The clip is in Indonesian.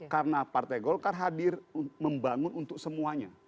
karena partai golkar hadir membangun untuk semuanya